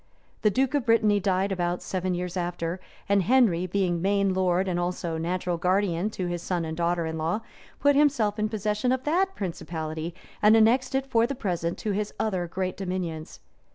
The duke of Brittany died about seven years after; and Henry, being mesne lord and also natural guardian to his son and daughter in law, put himself in possession of that principality, and annexed it for the present to his other great dominions.